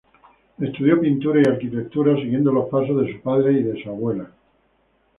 Estudió pintura y arquitectura, siguiendo los pasos de su padre y de su abuela.